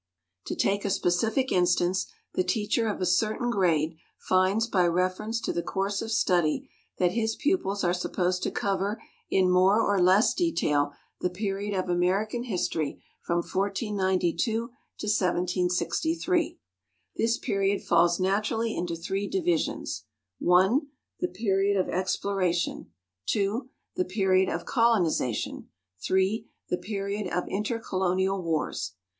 To take a specific instance, the teacher of a certain grade finds by reference to the course of study that his pupils are supposed to cover in more or less detail the period of American history from 1492 to 1763. This period falls naturally into three divisions: (1) the period of exploration, (2) the period of colonization, (3) the period of intercolonial wars.